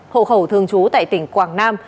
hộ khẩu thường trú tại tỉnh quảng nam